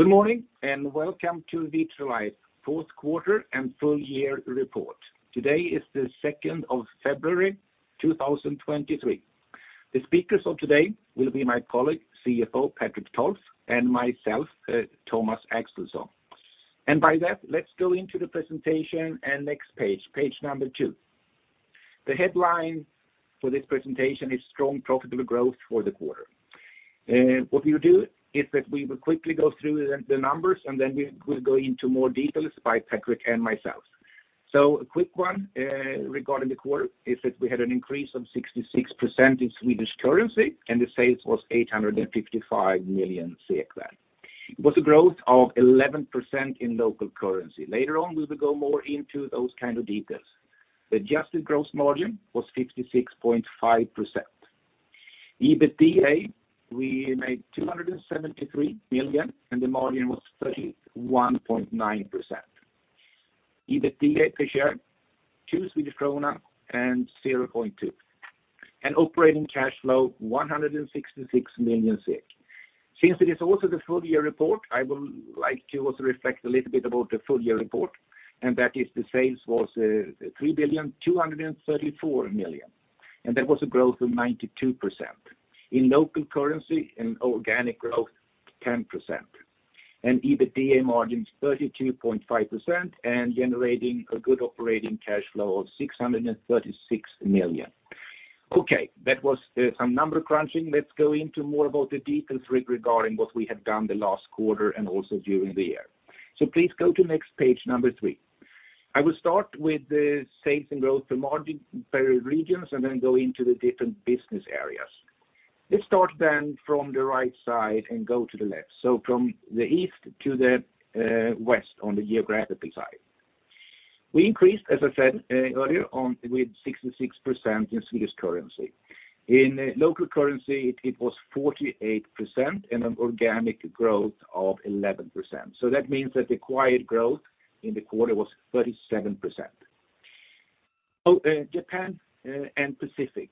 Good morning, and welcome to Vitrolife fourth quarter and full year report. Today is February 2nd, 2023. The speakers of today will be my colleague, CFO Patrik Tolf, and myself, Thomas Axelsson. Let's go into the presentation and next page number two. The headline for this presentation is Strong Profitable Growth for the quarter. What we will do is that we will quickly go through the numbers, and then we will go into more details by Patrik and myself. Regarding the quarter is that we had an increase of 66% in Swedish currency, and the sales was 855 million. It was a growth of 11% in local currency. Later on, we will go more into those kind of details. The adjusted gross margin was 66.5%. EBITDA, we made 273 million, the margin was 31.9%. EBITDA per share, 2.02 krona. Operating cash flow, 166 million SEK. Since it is also the full year report, I would like to also reflect a little bit about the full year report, that is the sales was 3.234 billion, that was a growth of 92%. In local currency, in organic growth, 10%. EBITDA margin is 32.5% and generating a good operating cash flow of 636 million. Okay, that was some number crunching. Let's go into more about the details regarding what we have done the last quarter and also during the year. Please go to next page, number three. I will start with the sales and growth by regions and then go into the different business areas. Let's start from the right side and go to the left, from the East to the West on the geographical side. We increased, as I said, earlier on with 66% in Swedish currency. In local currency, it was 48% and an organic growth of 11%. That means that the acquired growth in the quarter was 37%. Japan and Pacific,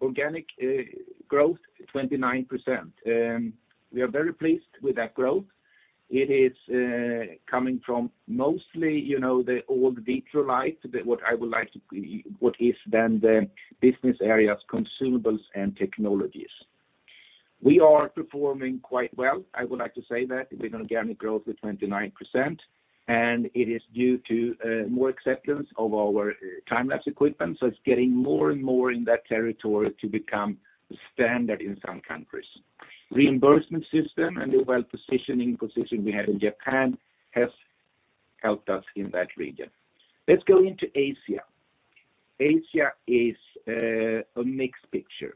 organic growth 29%. We are very pleased with that growth. It is coming from mostly, you know, the old Vitrolife, what is the business areas consumables and technologies. We are performing quite well. I would like to say that with an organic growth of 29%, and it is due to more acceptance of our time-lapse equipment, so it's getting more and more in that territory to become standard in some countries. Reimbursement system and the well-positioning position we have in Japan has helped us in that region. Let's go into Asia. Asia is a mixed picture.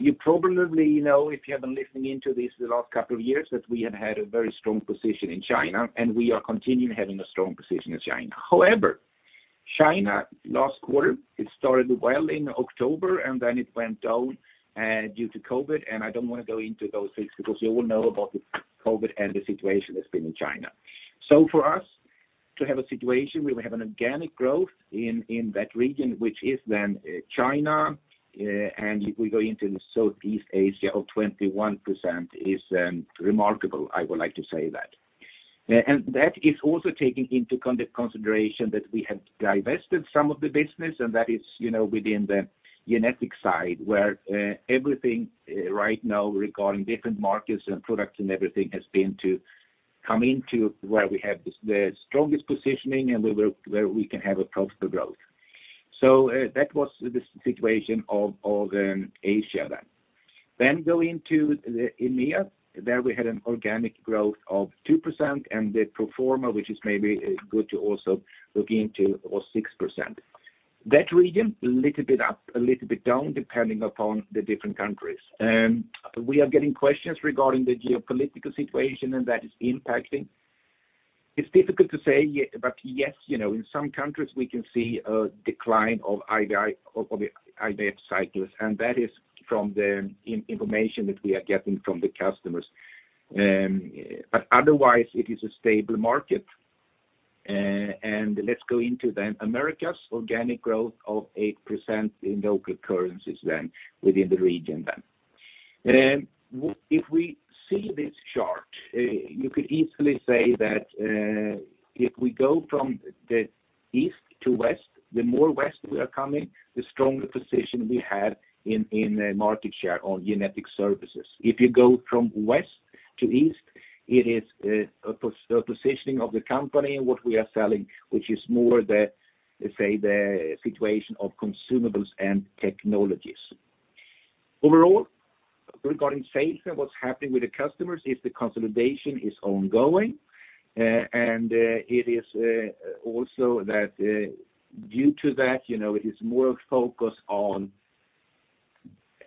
You probably know, if you have been listening into this the last couple of years, that we have had a very strong position in China, and we are continuing having a strong position in China. However, China last quarter, it started well in October, and then it went down due to COVID-19, and I don't want to go into those things because you all know about the COVID-19 and the situation that's been in China. For us to have a situation where we have an organic growth in that region, which is then China, and if we go into the Southeast Asia of 21% is remarkable, I would like to say that. And that is also taking into consideration that we have divested some of the business, and that is, you know, within the genetic side, where everything right now regarding different markets and products and everything has been to come into where we have the strongest positioning and where we can have a profitable growth. That was the situation of Asia then. Go into the EMEA. There we had an organic growth of 2%, and the pro forma, which is maybe good to also look into, was 6%. That region, a little bit up, a little bit down, depending upon the different countries. We are getting questions regarding the geopolitical situation and that is impacting. It's difficult to say, but yes, you know, in some countries we can see a decline of IVF cycles, and that is from the information that we are getting from the customers. Otherwise, it is a stable market. Let's go into then Americas organic growth of 8% in local currencies then within the region then. If we see this chart, you could easily say that, if we go from the East to West, the more West we are coming, the stronger position we have in the market share on Genetic Services. If you go from West to East, it is a positioning of the company and what we are selling, which is more the, let's say, the situation of consumables and technologies. Overall, regarding sales and what's happening with the customers is the consolidation is ongoing. It is also that, due to that, you know, it is more a focus on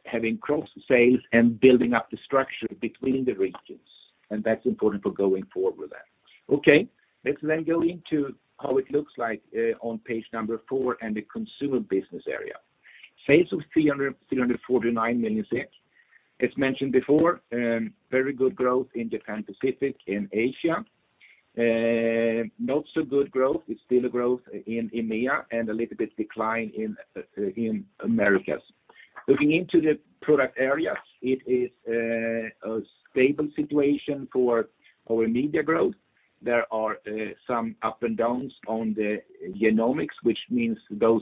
having cross-sales and building up the structure between the regions, and that's important for going forward with that. Okay. Let's then go into how it looks like on page number four and the consumables business area. Sales of 349 million. As mentioned before, very good growth in Japan, Pacific and Asia. Not so good growth. It's still a growth in EMEA and a little bit decline in Americas. Looking into the product areas, it is a stable situation for our media growth. There are some up and downs on the genomics, which means those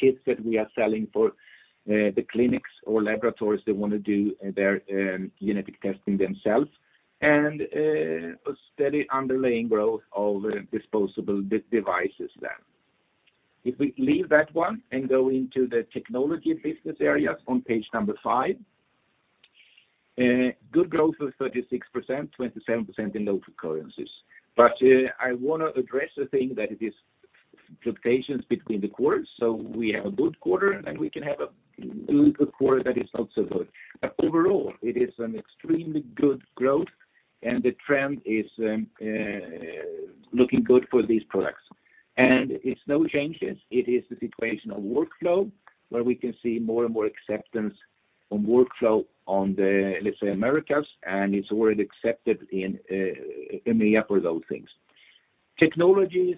kits that we are selling for the clinics or laboratories that wanna do their genetic testing themselves, and a steady underlying growth of the disposable devices there. If we leave that one and go into the technologies business areas on page number five. Good growth of 36%, 27% in local currencies. I wanna address the thing that it is fluctuations between the quarters. We have a good quarter, and we can have a little quarter that is not so good. Overall, it is an extremely good growth, and the trend is looking good for these products. It's no changes. It is the situation of workflow, where we can see more and more acceptance on workflow on the, let's say, Americas, and it's already accepted in EMEA for those things. Technologies,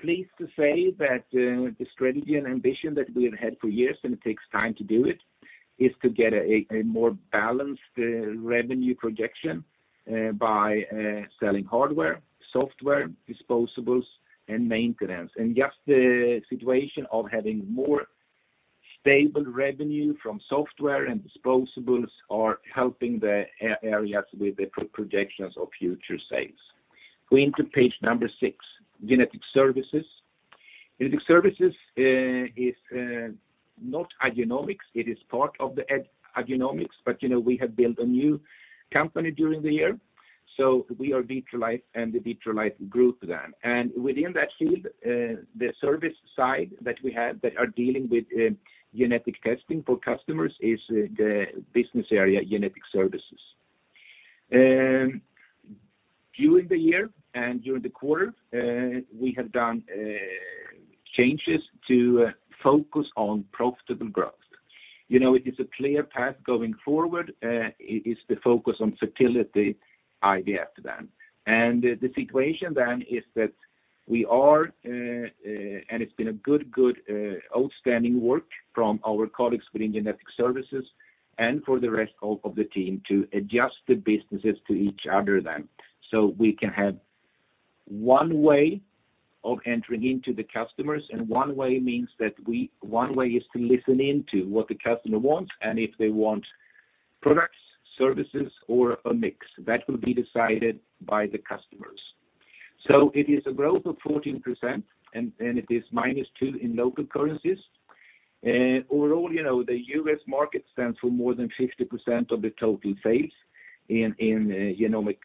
pleased to say that the strategy and ambition that we have had for years, and it takes time to do it, is to get a more balanced revenue projection by selling hardware, software, disposables, and maintenance. Just the situation of having more stable revenue from software and disposables are helping the areas with the projections of future sales. Go into page number six, Genetic Services. Genetic Services is not Igenomix. It is part of the Igenomix, but, you know, we have built a new company during the year, so we are Vitrolife and the Vitrolife Group then. Within that field, the service side that we have that are dealing with genetic testing for customers is the business area, Genetic Services. During the year and during the quarter, we have done changes to focus on profitable growth. You know, it is a clear path going forward. It is the focus on fertility idea then. It's been a good, outstanding work from our colleagues within Genetic Services and for the rest of the team to adjust the businesses to each other then. We can have one way of entering into the customers, and one way means that one way is to listen in to what the customer wants, and if they want products, services, or a mix. That will be decided by the customers. It is a growth of 14%, and it is -2% in local currencies. Overall, you know, the U.S. market stands for more than 50% of the total sales in Genetic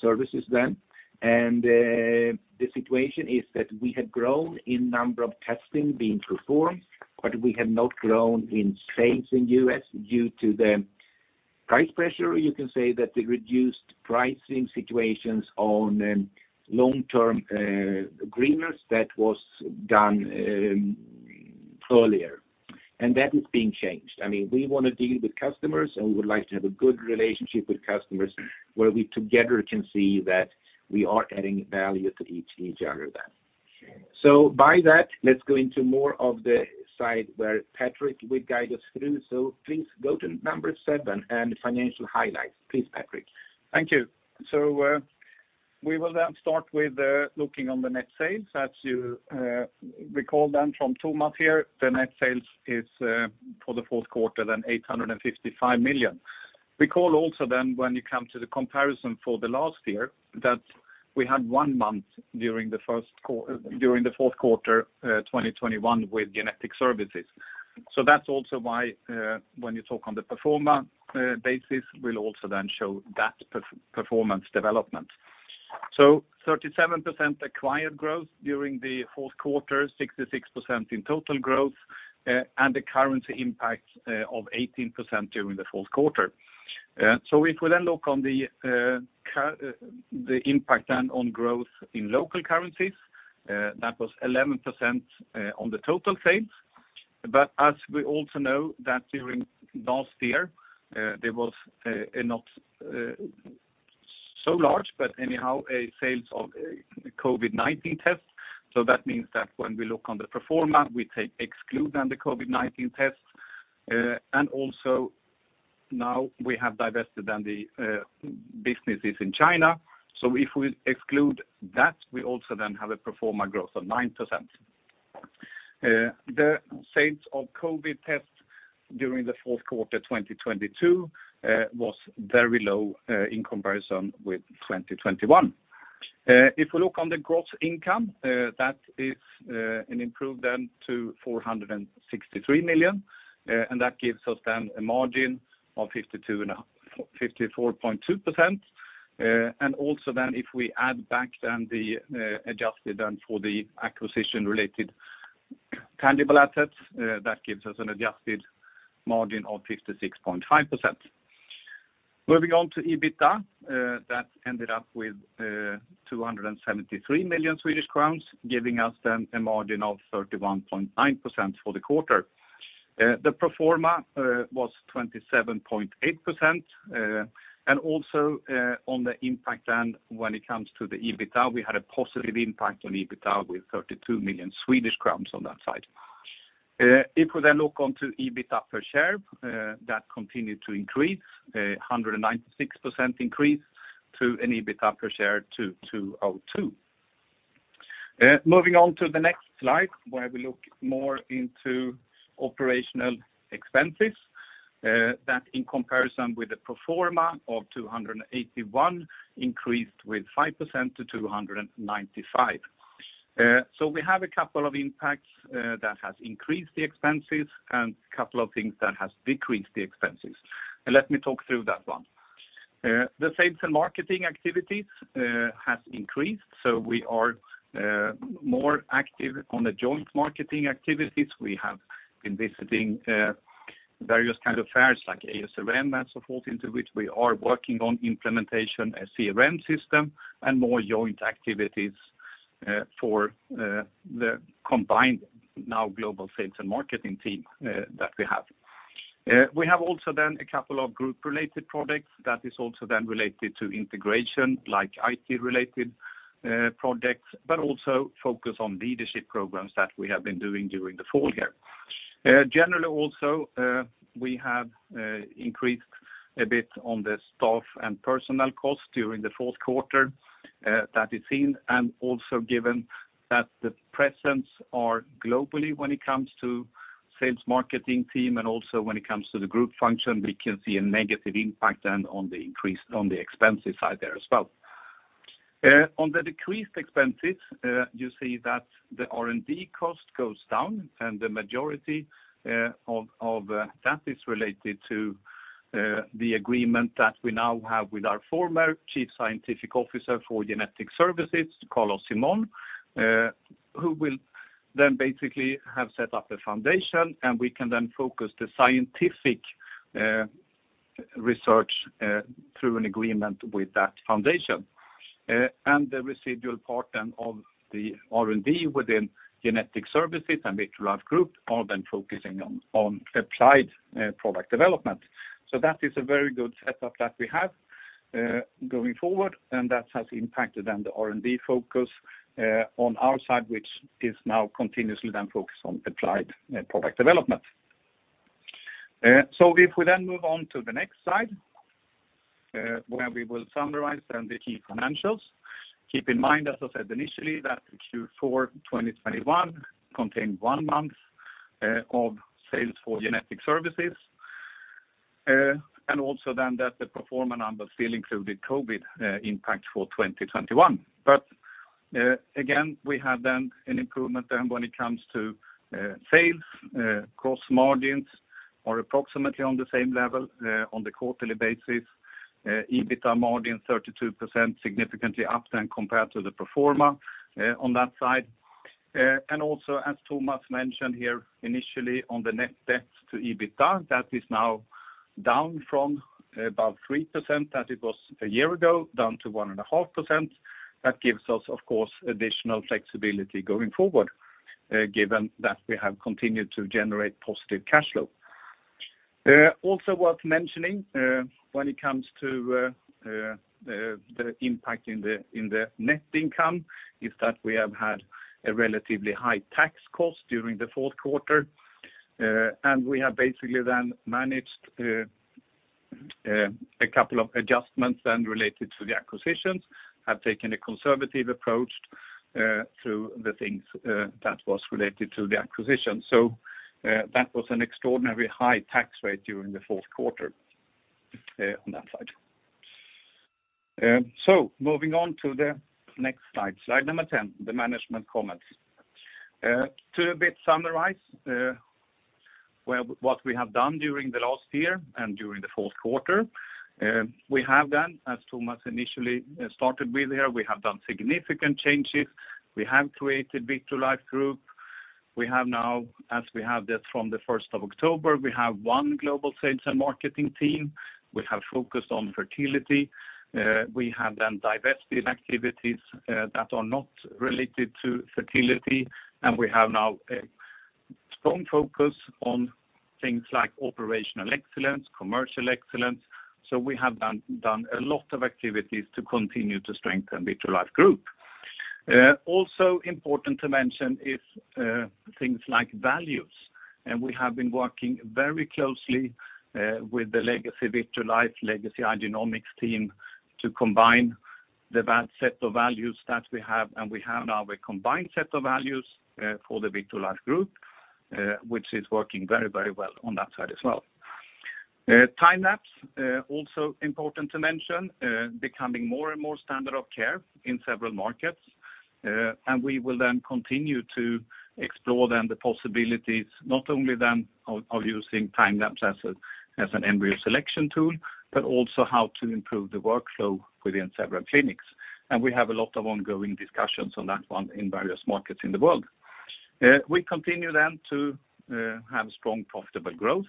Services then. The situation is that we have grown in number of testing being performed, but we have not grown in sales in U.S. due to the price pressure, or you can say that the reduced pricing situations on long-term agreements that was done earlier. That is being changed. I mean, we wanna deal with customers, and we would like to have a good relationship with customers where we together can see that we are adding value to each other then. By that, let's go into more of the side where Patrik will guide us through. Please go to number seven and financial highlights. Please, Patrik. Thank you. We will then start with looking on the net sales. As you recall then from two months here, the net sales is for the fourth quarter then 855 million. Recall also then when you come to the comparison for the last year, that we had one month during the fourth quarter 2021 with Genetic Services. That's also why, when you talk on the pro forma basis, we'll also then show that performance development. 37% acquired growth during the fourth quarter, 66% in total growth, and the currency impact of 18% during the fourth quarter. If we then look on the impact then on growth in local currencies, that was 11% on the total sales. As we also know that during last year, there was a not so large, but anyhow, a sales of COVID-19 tests. That means that when we look on the pro forma, we take exclude then the COVID-19 tests. Also now we have divested then the businesses in China. If we exclude that, we also then have a pro forma growth of 9%. The sales of COVID tests during the fourth quarter 2022 was very low in comparison with 2021. If we look on the gross income, that is an improve then to 463 million, and that gives us then a margin of 54.2%. If we add back then the adjusted then for the acquisition-related tangible assets, that gives us an adjusted margin of 56.5%. Moving on to EBITDA, that ended up with 273 million Swedish crowns, giving us then a margin of 31.9% for the quarter. The pro forma was 27.8%. On the impact end, when it comes to the EBITDA, we had a positive impact on EBITDA with 32 million Swedish crowns on that side. If we then look onto EBITDA per share, that continued to increase, a 196% increase to an EBITDA per share to 202. Moving on to the next slide, where we look more into operational expenses, that in comparison with the pro forma of 281 increased with 5% to 295. We have a couple of impacts that has increased the expenses and a couple of things that has decreased the expenses. Let me talk through that one. The sales and marketing activities has increased, we are more active on the joint marketing activities. We have been visiting various kind of fairs like ASRM and so forth, into which we are working on implementation a CRM system and more joint activities for the combined now global sales and marketing team that we have. We have also then a couple of group-related products that is also then related to integration, like IT-related projects, but also focus on leadership programs that we have been doing during the fall here. Generally also, we have increased a bit on the staff and personal costs during the fourth quarter, that is in and also given that the presence are globally when it comes to sales marketing team and also when it comes to the group function, we can see a negative impact then on the increase on the expensive side there as well. On the decreased expenses, you see that the R&D cost goes down, and the majority of that is related to the agreement that we now have with our former Chief Scientific Officer for Genetic Services, Carlos Simón, who will then basically have set up a foundation, and we can then focus the scientific research through an agreement with that foundation. And the residual part then of the R&D within Genetic Services and Vitrolife Group are then focusing on applied product development. That is a very good setup that we have going forward, and that has impacted then the R&D focus on our side, which is now continuously then focused on applied product development. If we then move on to the next side, where we will summarize then the key financials. Keep in mind, as I said initially, that the Q4 2021 contained one month of sales for Genetic Services, and also then that the pro forma numbers still included COVID-19 impact for 2021. Again, we have an improvement then when it comes to sales. Cost margins are approximately on the same level on the quarterly basis. EBITDA margin 32%, significantly up then compared to the pro forma on that side. As Thomas mentioned here initially on the net debt to EBITDA, that is now down from about 3%, as it was a year ago, down to 1.5%. That gives us, of course, additional flexibility going forward, given that we have continued to generate positive cash flow. Also worth mentioning, when it comes to the impact in the net income is that we have had a relatively high tax cost during the fourth quarter. We have basically then managed a couple of adjustments then related to the acquisitions, have taken a conservative approach to the things that was related to the acquisition. That was an extraordinarily high tax rate during the fourth quarter on that side. Moving on to the next slide number 10, the management comments. To a bit summarize, well, what we have done during the last year and during the fourth quarter, we have then, as Thomas initially started with here, we have done significant changes. We have created Vitrolife Group. We have now, as we have this from October 1st, we have one global sales and marketing team. We have focused on fertility. We have then divested activities that are not related to fertility, and we have now a strong focus on things like operational excellence, commercial excellence. We have done a lot of activities to continue to strengthen Vitrolife Group. Also important to mention is things like values, and we have been working very closely with the legacy Vitrolife, legacy Igenomix team to combine the set of values that we have, and we have now a combined set of values for the Vitrolife Group, which is working very, very well on that side as well. Time-lapse, also important to mention, becoming more and more standard of care in several markets. We will continue to explore the possibilities not only of using time-lapse as an embryo selection tool, but also how to improve the workflow within several clinics. We have a lot of ongoing discussions on that one in various markets in the world. We continue to have strong, profitable growth.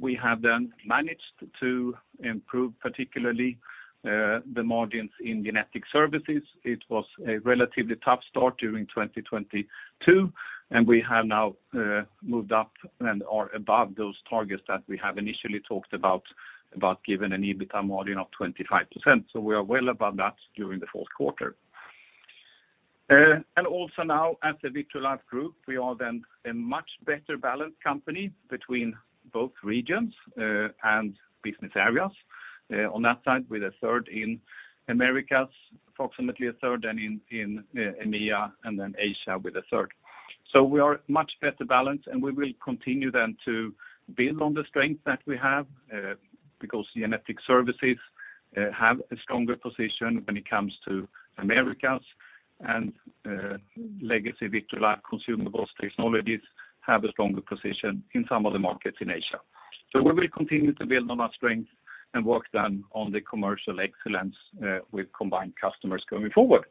We have managed to improve particularly the margins in Genetic Services. It was a relatively tough start during 2022, and we have now moved up and are above those targets that we have initially talked about giving an EBITDA margin of 25%. We are well above that during the fourth quarter. Also now as the Vitrolife Group, we are a much better balanced company between both regions and business areas. On that side, with a third in Americas, approximately a third in EMEA, Asia with a third. We are much better balanced, and we will continue to build on the strength that we have because Genetic Services have a stronger position when it comes to Americas and legacy Vitrolife consumables technologies have a stronger position in some of the markets in Asia. We will continue to build on our strengths and work on the commercial excellence with combined customers going forward.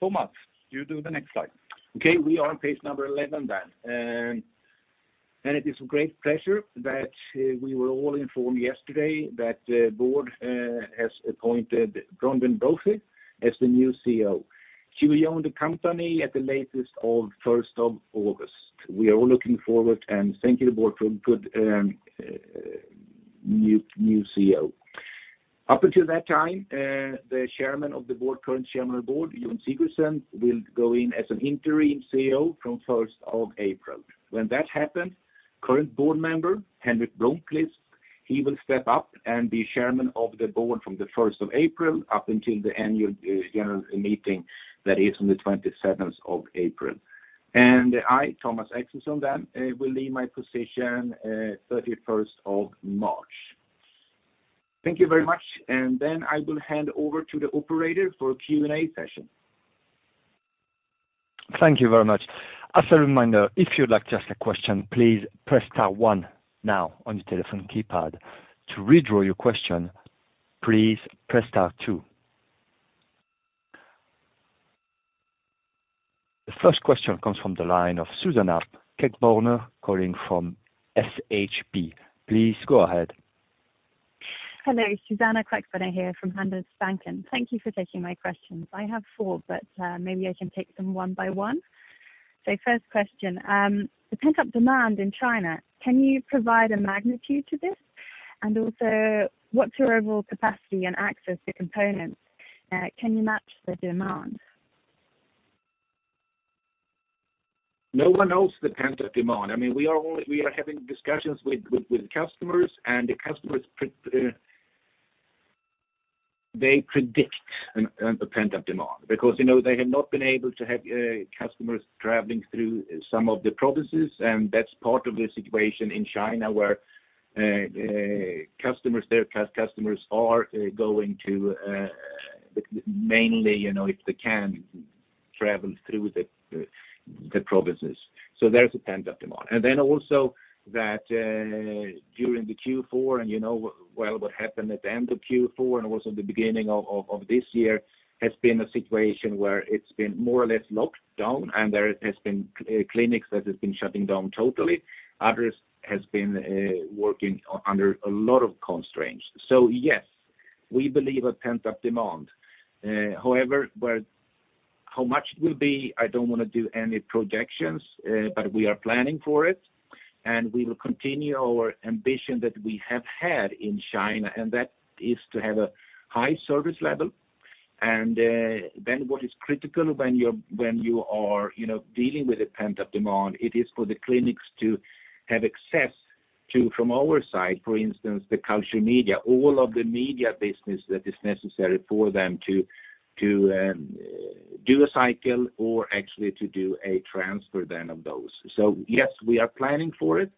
Thomas, you do the next slide. Okay, we are on page number 11. It is a great pleasure that we were all informed yesterday that the board has appointed Bronwyn Brophy as the new CEO. She will join the company at the latest of August 1st. We are all looking forward and thank you the board for a good new CEO. Up until that time, the Chairman of the Board, current Chairman of the Board, Jón Sigurdsson, will go in as an Interim CEO from April 1st. When that happens, current Board Member, Henrik Blomquist, he will step up and be Chairman of the Board from April 1st up until the annual general meeting that is on April 27th. I, Thomas Axelsson then, will leave my position on March 31st. Thank you very much. I will hand over to the operator for Q&A session. Thank you very much. As a reminder to ask a question please press star one on your telephone keypad. To withdraw your question please press star two. The first question comes from the line of Suzanna Queckbörner calling from SHB. Please go ahead. Hello, Suzanna Queckbörner here from Handelsbanken. Thank you for taking my questions. I have four, maybe I can take them one by one. First question, the pent-up demand in China, can you provide a magnitude to this? Also, what's your overall capacity and access to components? Can you match the demand? No one knows the pent-up demand. I mean, we are having discussions with customers, and the customers predict a pent-up demand because, you know, they have not been able to have customers traveling through some of the provinces, and that's part of the situation in China, where customers, their customers are going to, mainly, you know, if they can travel through the provinces. There's a pent-up demand. Also that, during the Q4 and you know, well, what happened at the end of Q4 and also the beginning of this year has been a situation where it's been more or less locked down and there has been clinics that have been shutting down totally. Others has been working under a lot of constraints. Yes, we believe a pent-up demand. However, well, how much it will be, I don't wanna do any projections, but we are planning for it, we will continue our ambition that we have had in China, that is to have a high service level. Then what is critical when you are, you know, dealing with a pent-up demand, it is for the clinics to have access to, from our side, for instance, the culture media, all of the media business that is necessary for them to do a cycle or actually to do a transfer then of those. Yes, we are planning for it.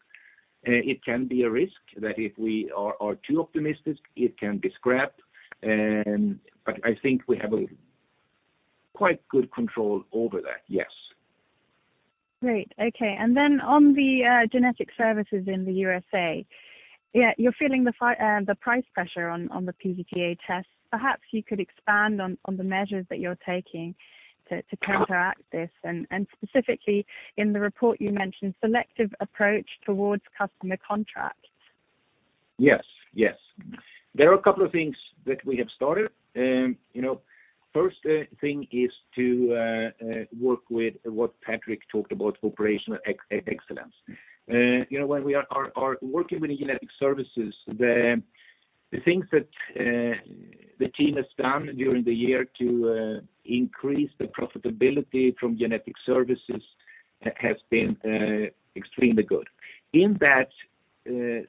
It can be a risk that if we are too optimistic, it can be scrapped. I think we have a quite good control over that. Yes. Great. Okay. On the Genetic Services in the U.S.A, you're feeling the price pressure on the PGT-A tests. Perhaps you could expand on the measures that you're taking to counteract this. Specifically in the report you mentioned selective approach towards customer contracts. Yes. Yes. There are a couple of things that we have started. You know, first thing is to work with what Patrik talked about, operational excellence. You know, when we are working with Genetic Services, the things that the team has done during the year to increase the profitability from Genetic Services has been extremely good. In that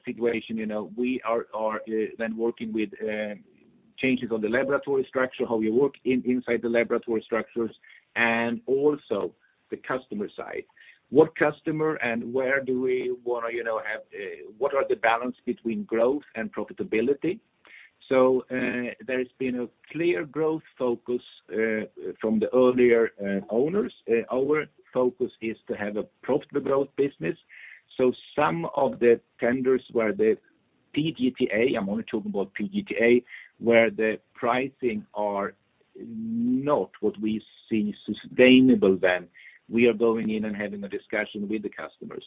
situation, you know, we are then working with changes on the laboratory structure, how we work inside the laboratory structures, and also the customer side. What customer and where do we wanna, you know, have, what are the balance between growth and profitability? There's been a clear growth focus from the earlier owners. Our focus is to have a profitable growth business. Some of the tenders where the PGT-A, I'm only talking about PGT-A, where the pricing are not what we see sustainable then, we are going in and having a discussion with the customers.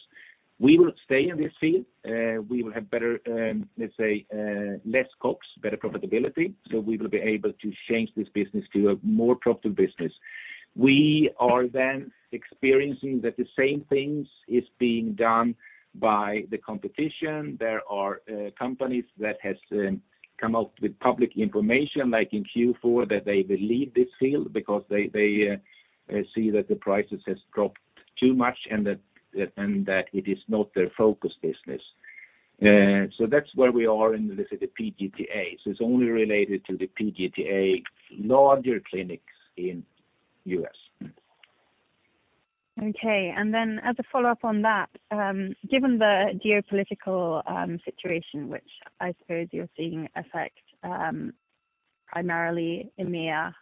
We will stay in this field. We will have better, let's say, less COGS, better profitability, so we will be able to change this business to a more profitable business. We are then experiencing that the same things is being done by the competition. There are companies that has come out with public information, like in Q4, that they will leave this field because they see that the prices has dropped too much and that it is not their focus business. That's where we are in this, the PGT-A. It's only related to the PGT-A larger clinics in U.S. Okay. As a follow-up on that, given the geopolitical situation, which I suppose you're seeing affect primarily EMEA,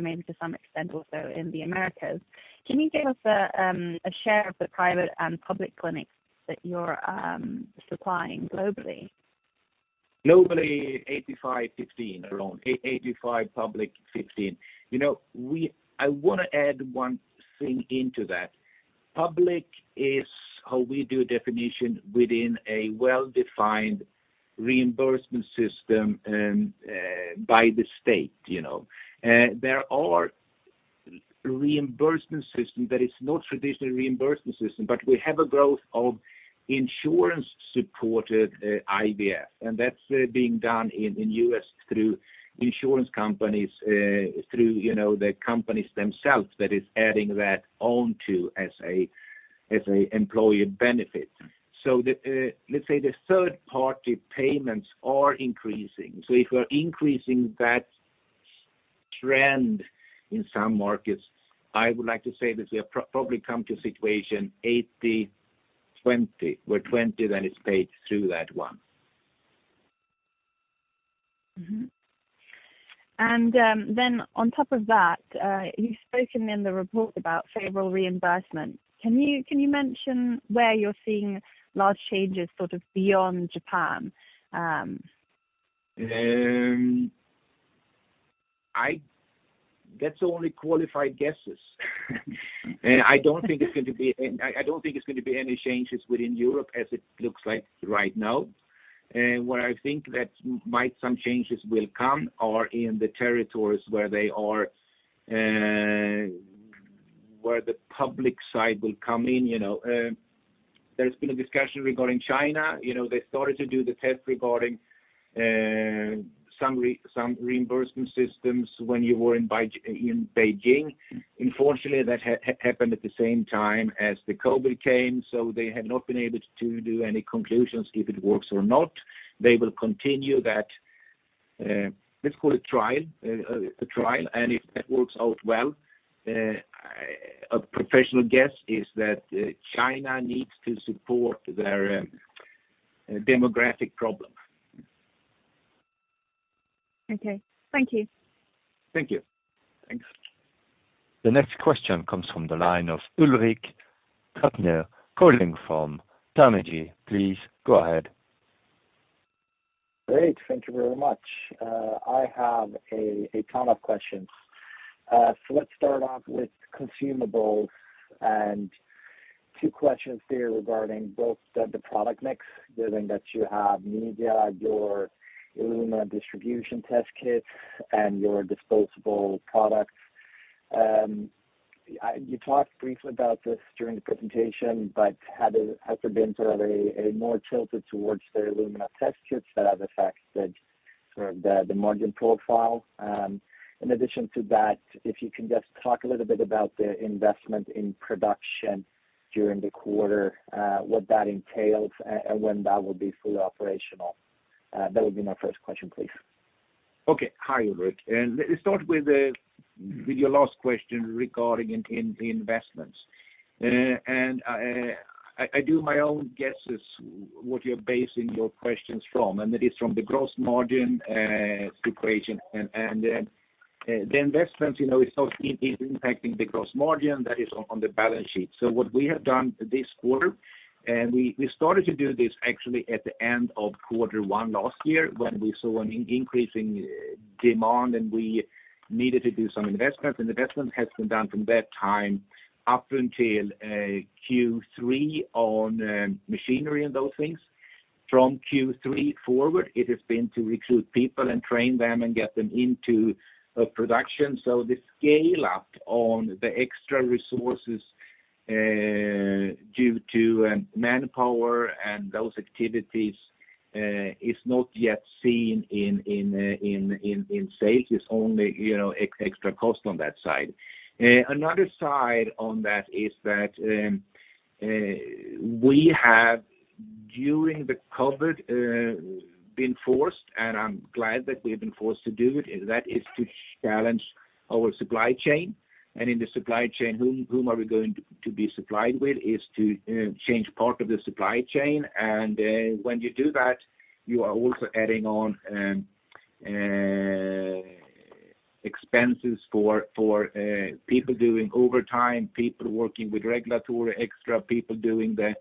maybe to some extent also in the Americas, can you give us a share of the private and public clinics that you're supplying globally? Globally, 85, 15 around. 85 public, 15. You know, I want to add one thing into that. Public is how we do definition within a well-defined reimbursement system by the state, you know. There are reimbursement system that is not traditional reimbursement system, but we have a growth of insurance-supported IVF, and that is being done in U.S. through insurance companies, through, you know, the companies themselves that is adding that on to as a, as a employee benefit. The, let us say the third-party payments are increasing. If we are increasing that trend in some markets, I would like to say that we have probably come to a situation 80/20, where 20 then is paid through that one. Mm-hmm. Then on top of that, you've spoken in the report about favorable reimbursement. Can you mention where you're seeing large changes sort of beyond Japan? That's only qualified guesses. I don't think it's going to be any changes within Europe as it looks like right now. Where I think that might some changes will come are in the territories where they are, where the public side will come in, you know. There's been a discussion regarding China. You know, they started to do the test regarding some reimbursement systems when you were in Beijing. Unfortunately, that happened at the same time as the COVID came, so they have not been able to do any conclusions if it works or not. They will continue that, let's call it trial, a trial, and if that works out well, a professional guess is that China needs to support their demographic problem. Okay. Thank you. Thank you. Thanks. The next question comes from the line of Ulrik Trattner calling from Carnegie. Please go ahead. Great. Thank you very much. I have a ton of questions. Let's start off with consumables and two questions there regarding both the product mix, given that you have media, your Illumina distribution test kits, and your disposable products. You talked briefly about this during the presentation, but has there been sort of a more tilted towards the Illumina test kits that have affected sort of the margin profile? In addition to that, if you can just talk a little bit about the investment in production during the quarter, what that entails and when that will be fully operational. That would be my first question, please. Okay. Hi, Ulrik. Let's start with your last question regarding investments. I do my own guesses what you're basing your questions from, and it is from the gross margin situation. The investments, you know, is also impacting the gross margin that is on the balance sheet. What we have done this quarter, and we started to do this actually at the end of quarter one last year when we saw an increasing demand, and we needed to do some investments. Investment has been done from that time up until Q3 on machinery and those things. From Q3 forward, it has been to recruit people and train them and get them into production. The scale-up on the extra resources, due to manpower and those activities, is not yet seen in sales. It's only, you know, extra cost on that side. Another side on that is that we have, during the COVID, been forced, and I'm glad that we have been forced to do it, and that is to challenge our supply chain. In the supply chain, whom are we going to be supplied with is to change part of the supply chain. When you do that, you are also adding on expenses for people doing overtime, people working with regulatory extra, people doing the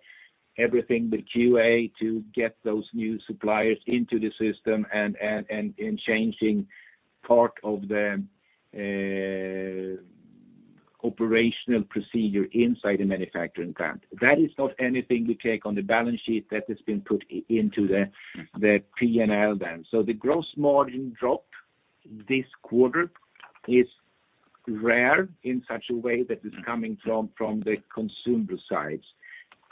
everything, the QA to get those new suppliers into the system and changing part of the operational procedure inside the manufacturing plant. That is not anything we take on the balance sheet that has been put into the P&L then. The gross margin drop this quarter is rare in such a way that is coming from the consumables.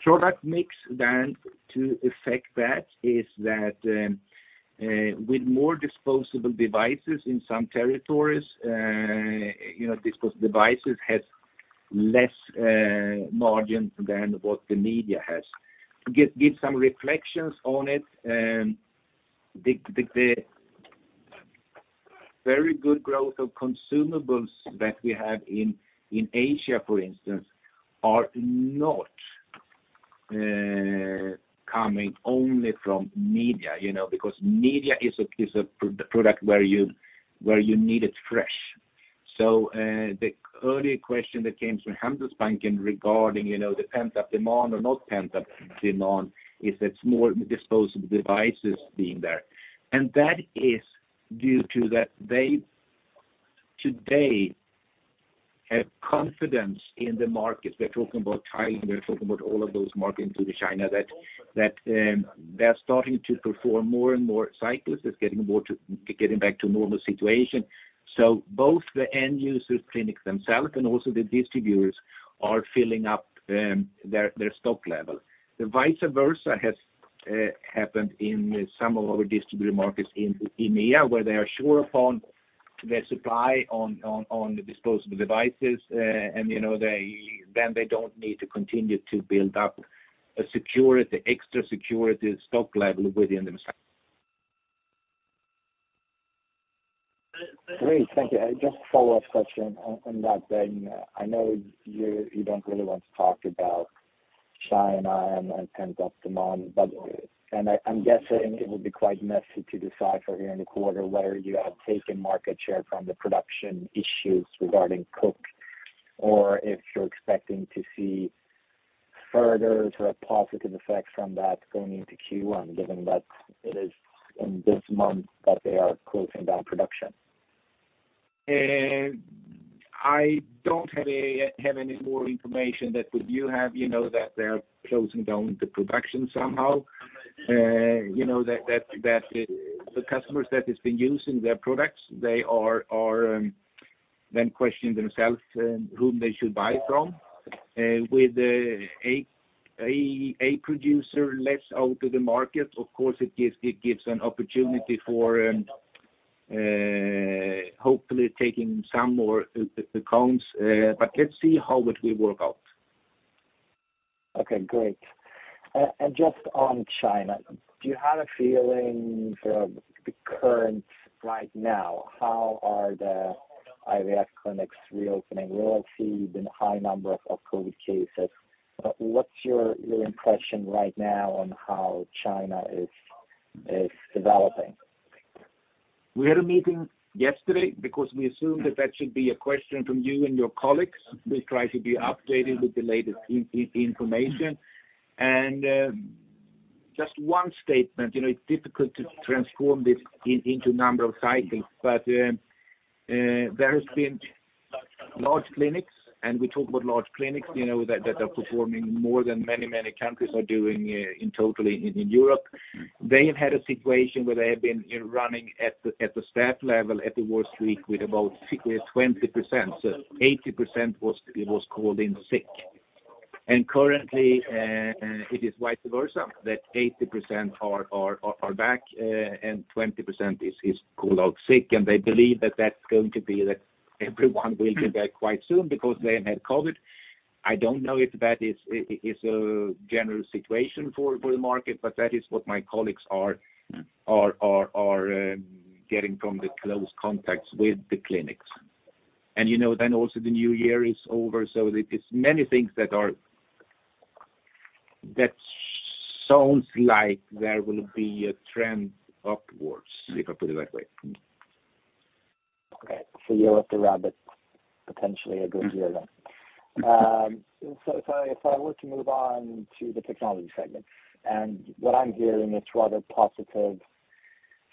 Product mix then to affect that is that, with more disposable devices in some territories, you know, disposable devices has less margin than what the media has. To give some reflections on it, the very good growth of consumables that we have in Asia, for instance, are not coming only from media, you know, because media is a product where you need it fresh. The earlier question that came from Handelsbanken regarding, you know, the pent-up demand or not pent-up demand is it's more disposable devices being there. That is due to that they today have confidence in the markets. We're talking about Thailand, we're talking about all of those markets with China that they're starting to perform more and more cycles. It's getting back to normal situation. Both the end users, clinics themselves, and also the distributors are filling up their stock level. The vice versa has happened in some of our distributor markets in EMEA, where they are sure upon their supply on the disposable devices. You know, then they don't need to continue to build up a security, extra security stock level within the system. Great. Thank you. Just a follow-up question on that then. I know you don't really want to talk about China and pent-up demand, but I'm guessing it will be quite messy to decipher here in the quarter whether you have taken market share from the production issues regarding Cook or if you're expecting to see further sort of positive effects from that going into Q1, given that it is in this month that they are closing down production. I don't have any more information that you have, you know, that they're closing down the production somehow. You know, that the customers that has been using their products, they are then questioning themselves whom they should buy from. With a producer less out to the market, of course it gives an opportunity for hopefully taking some more accounts. Let's see how it will work out. Okay, great. Just on China, do you have a feeling from the current right now, how are the IVF clinics reopening? We all see the high number of COVID cases. What's your impression right now on how China is developing? We had a meeting yesterday because we assumed that that should be a question from you and your colleagues. We try to be updated with the latest information. Just one statement, you know, it's difficult to transform this into number of cycles, but there has been large clinics, and we talk about large clinics, you know, that are performing more than many countries are doing totally in Europe. They have had a situation where they have been, you know, running at the staff level at the worst week with about 20%, so 80% was called in sick. Currently, it is vice versa, that 80% are back and 20% is called out sick. They believe that that's going to be that everyone will be back quite soon because they have had COVID. I don't know if that is a general situation for the market, but that is what my colleagues are getting from the close contacts with the clinics. You know, also the new year is over, so it is many things that sounds like there will be a trend upwards, if I put it that way. Okay. Year of the rabbit, potentially a good year then. If I were to move on to the technologies segment, what I'm hearing is rather positive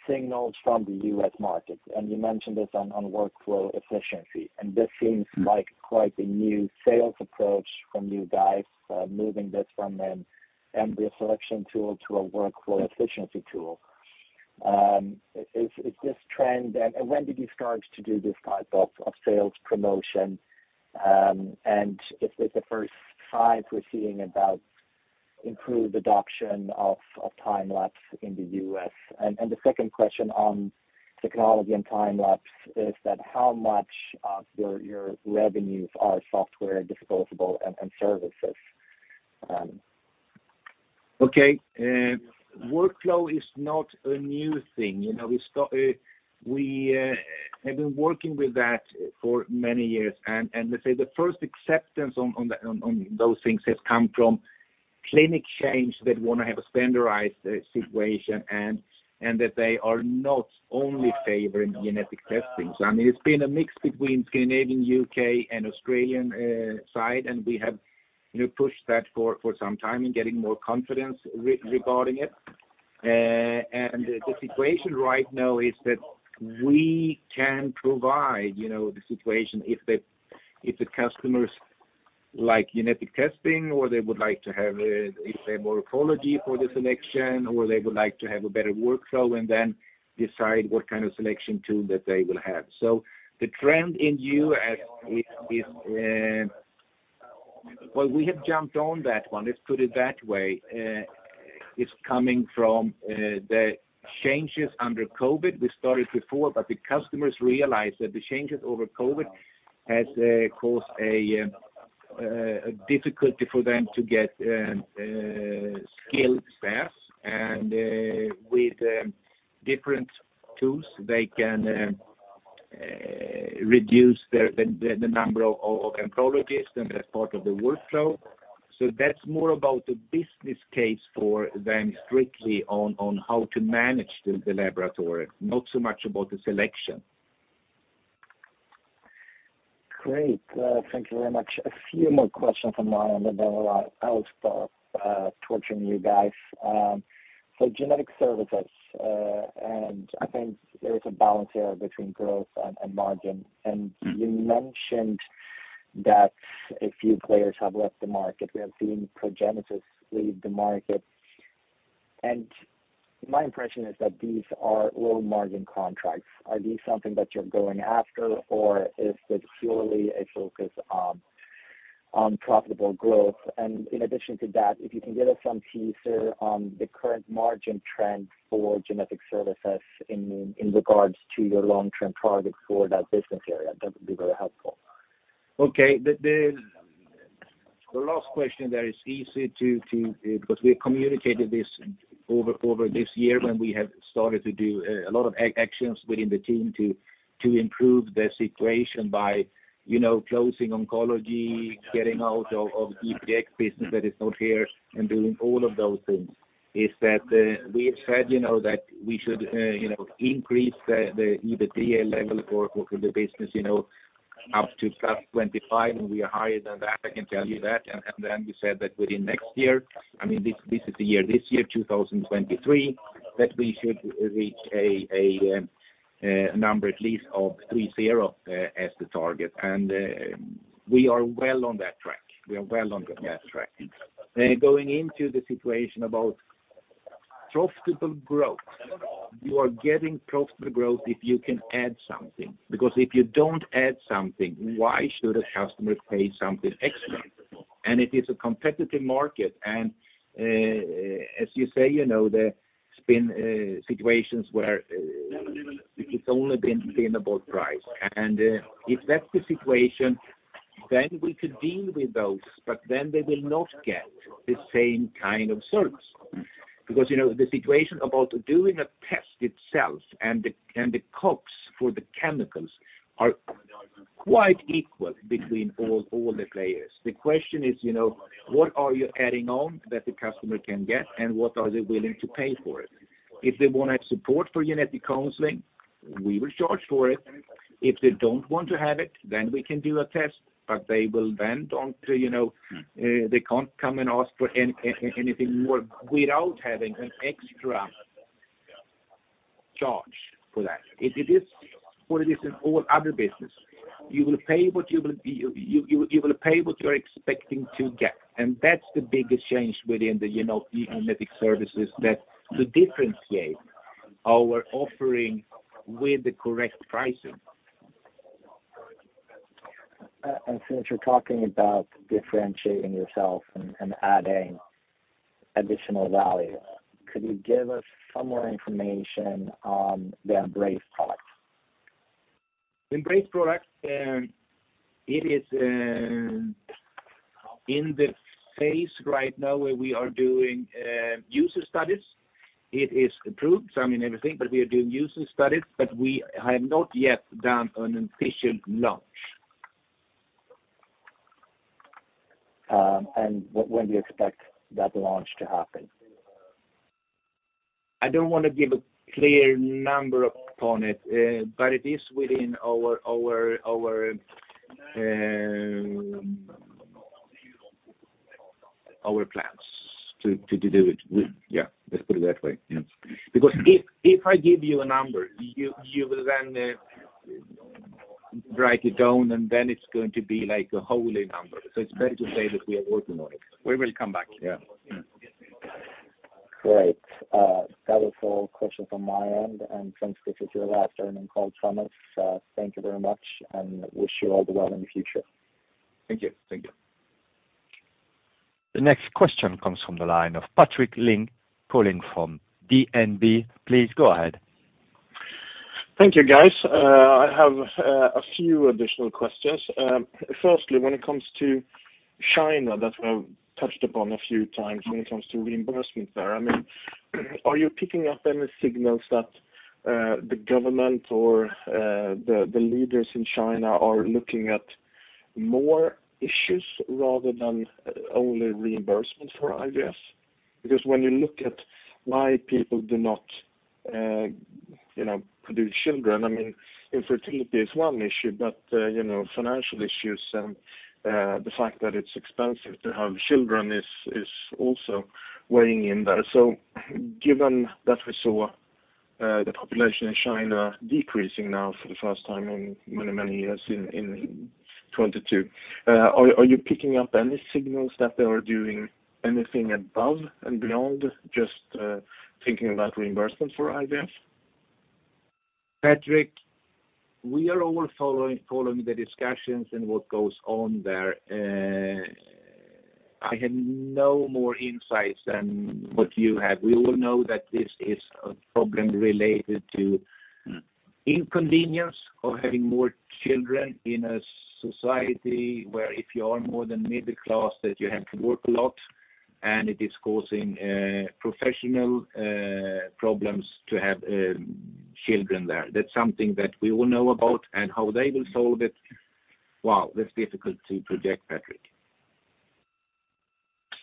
signals from the U.S. market, you mentioned this on workflow efficiency, this seems like quite a new sales approach from you guys, moving this from an embryo selection tool to a workflow efficiency tool. Is this trend and when did you start to do this type of sales promotion? Is this the first signs we're seeing about improved adoption of time-lapse in the U.S.? The second question on technologies and time-lapse is that how much of your revenues are software disposable and services? Okay. workflow is not a new thing. You know, we have been working with that for many years. Let's say the first acceptance on those things has come from clinic chains that want to have a standardized situation and that they are not only favoring genetic testing. I mean, it's been a mix between Scandinavian, U.K., and Australian side, and we have, you know, pushed that for some time and getting more confidence regarding it. The situation right now is that we can provide, you know, the situation if the customers like genetic testing or they would like to have, if say morphology for the selection or they would like to have a better workflow and then decide what kind of selection tool that they will have. The trend in U.S. is, we have jumped on that one. Let's put it that way. It's coming from the changes under COVID. We started before, the customers realized that the changes over COVID has caused a difficulty for them to get skilled staff and with different tools they can reduce the number of embryologists and as part of the workflow. That's more about the business case for them strictly on how to manage the laboratory, not so much about the selection. Great. Thank you very much. A few more questions from my end, and then we'll, I'll stop torturing you guys. Genetic Services, I think there is a balance here between growth and margin. You mentioned that a few players have left the market. We have seen Progenity leave the market. My impression is that these are low-margin contracts. Are these something that you're going after, or is it purely a focus on profitable growth? In addition to that, if you can give us some teaser on the current margin trend for Genetic Services in regards to your long-term targets for that business area, that would be very helpful. Okay. The last question there is easy to, because we communicated this over this year when we have started to do a lot of actions within the team to improve the situation by, you know, closing oncology, getting out of the GPDx business that is not here, and doing all of those things, is that we have said, you know, that we should, you know, increase the EBITDA level for the business, you know, up to +25%, and we are higher than that, I can tell you that. Then we said that within next year, I mean, this is the year, 2023, that we should reach a number at least of 30% as the target. We are well on that track. We are well on that track. Going into the situation about profitable growth, you are getting profitable growth if you can add something, because if you don't add something, why should a customer pay something extra? It is a competitive market. As you say, you know, there's been situations where it's only been about price. If that's the situation, then we could deal with those, but then they will not get the same kind of service. You know, the situation about doing a test itself and the COGS for the chemicals are quite equal between all the players. The question is, you know, what are you adding on that the customer can get, and what are they willing to pay for it? If they want to have support for genetic counseling, we will charge for it. If they don't want to have it, then we can do a test, but they will then, you know, they can't come and ask for anything more without having an extra charge for that. It is what it is in all other business. You will pay what you will pay what you're expecting to get. That's the biggest change within the, you know, Genetic Services that to differentiate our offering with the correct pricing. Since you're talking about differentiating yourself and adding additional value, could you give us some more information on the EMBRACE product? EMBRACE product, it is in the phase right now where we are doing user studies. It is approved, I mean, everything, but we are doing user studies, but we have not yet done an official launch. When do you expect that launch to happen? I don't want to give a clear number upon it, but it is within our plans to do it. Yeah, let's put it that way. Yeah. If I give you a number, you will then write it down, and then it's going to be like a holy number. It's better to say that we are working on it. We will come back. Yeah. Great. That was all questions from my end. Since this is your last earning call, Thomas, thank you very much and wish you all the well in the future. Thank you. Thank you. The next question comes from the line of Patrik Ling calling from DNB. Please go ahead. Thank you, guys. I have a few additional questions. Firstly, when it comes to China, that we've touched upon a few times when it comes to reimbursement there, I mean, are you picking up any signals that the government or the leaders in China are looking at more issues rather than only reimbursement for IVF. Because when you look at why people do not, you know, produce children, I mean, infertility is one issue, but, you know, financial issues and the fact that it's expensive to have children is also weighing in there. Given that we saw the population in China decreasing now for the first time in many, many years in 2022, are you picking up any signals that they are doing anything above and beyond just thinking about reimbursement for IVF? Patrik, we are all following the discussions and what goes on there. I have no more insights than what you have. We all know that this is a problem related to inconvenience of having more children in a society where if you are more than middle class, that you have to work a lot, and it is causing professional problems to have children there. That's something that we all know about, and how they will solve it, well, that's difficult to project, Patrik.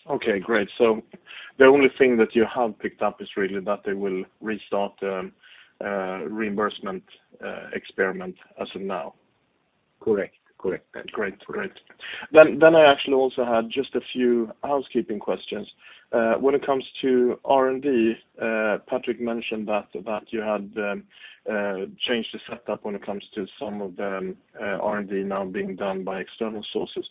Okay, great. The only thing that you have picked up is really that they will restart reimbursement experiment as of now. Correct. Correct. Great. I actually also had just a few housekeeping questions. When it comes to R&D, Patrik mentioned that you had changed the setup when it comes to some of the R&D now being done by external sources.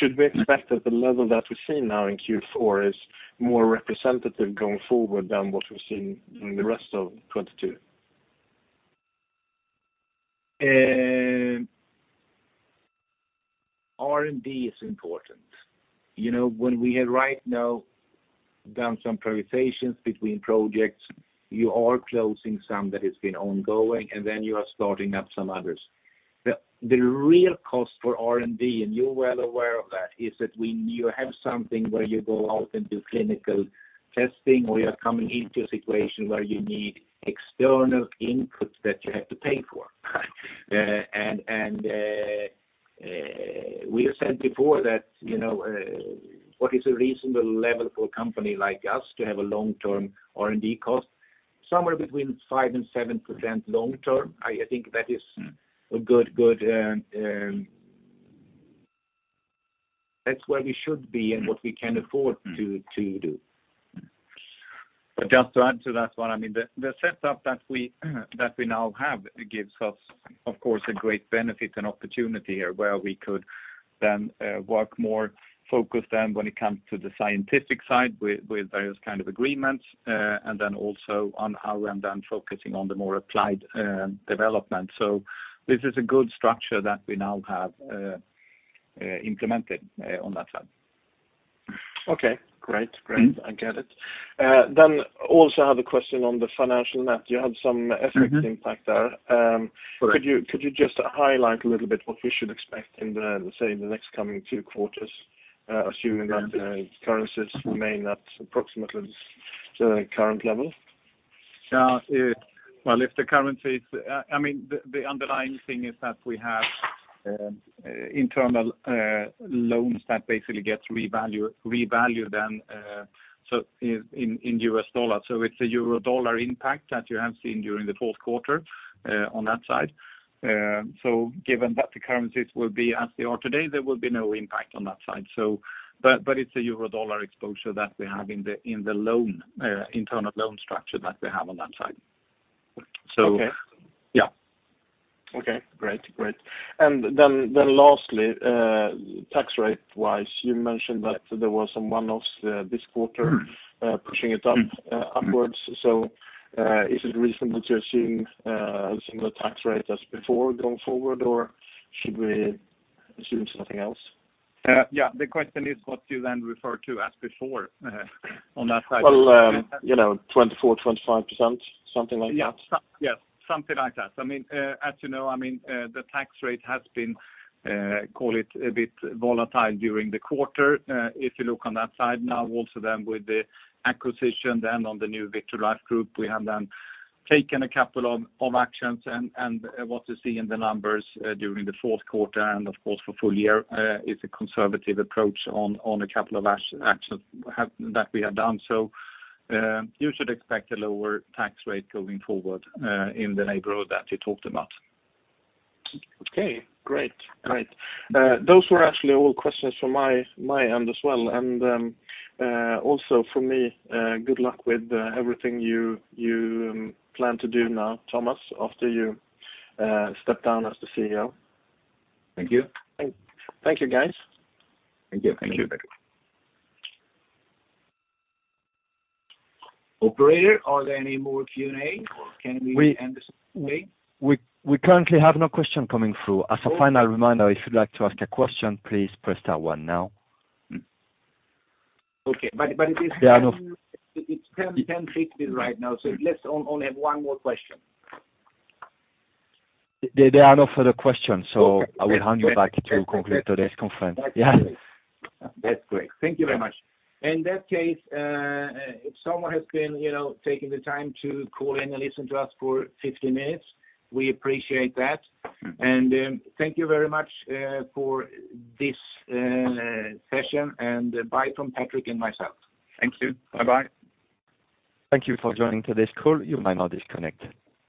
Should we expect that the level that we're seeing now in Q4 is more representative going forward than what we've seen during the rest of 2022? R&D is important. You know, when we have right now done some prioritizations between projects, you are closing some that has been ongoing, and then you are starting up some others. The real cost for R&D, and you're well aware of that, is that when you have something where you go out and do clinical testing, or you're coming into a situation where you need external input that you have to pay for. And we have said before that, you know, what is a reasonable level for a company like us to have a long-term R&D cost? Somewhere between 5% and 7% long term. That's where we should be and what we can afford to do. Just to add to that one, I mean, the setup that we now have gives us, of course, a great benefit and opportunity here, where we could then work more focused then when it comes to the scientific side with various kind of agreements, and then also on our end, then focusing on the more applied development. This is a good structure that we now have implemented on that front. Okay, great. Great. I get it. Also have a question on the financial map. You had some FX impact there. Mm-hmm. Correct. Could you just highlight a little bit what we should expect in the next coming two quarters, assuming that currencies remain at approximately the current level? Yeah. Well, if the currencies, I mean, the underlying thing is that we have internal loans that basically gets revalued and in U.S. dollar. It's a euro dollar impact that you have seen during the fourth quarter on that side. Given that the currencies will be as they are today, there will be no impact on that side. But it's a euro dollar exposure that we have in the loan, internal loan structure that we have on that side. Okay. Yeah. Okay, great. Great. Then lastly, tax rate-wise, you mentioned that there was some one-offs, this quarter pushing it up, upwards. Is it reasonable to assume, similar tax rate as before going forward, or should we assume something else? The question is what do you then refer to as before, on that side? Well, you know, 24%, 25%, something like that. Yes, something like that. I mean, as you know, I mean, the tax rate has been, call it a bit volatile during the quarter. If you look on that side now also with the acquisition on the new Vitrolife Group, we have taken a couple of actions and what you see in the numbers during the fourth quarter and of course for full year is a conservative approach on a couple of actions that we have done. You should expect a lower tax rate going forward in the neighborhood that you talked about. Okay, great. Great. Those were actually all questions from my end as well. Also for me, good luck with everything you plan to do now, Thomas, after you step down as the CEO. Thank you. Thank you guys. Thank you. Thank you. Operator, are there any more Q&A, or can we end this way? We currently have no question coming through. As a final reminder, if you'd like to ask a question, please press star one now. Okay. But it is. There are no- It's 10:15 right now, so let's only have one more question. There are no further questions. Okay. I will hand you back to conclude today's conference. That's great. Yeah. That's great. Thank you very much. In that case, if someone has been, you know, taking the time to call in and listen to us for 50 minutes, we appreciate that. Thank you very much for this session, and bye from Patrik and myself. Thank you. Bye-bye. Thank you for joining today's call.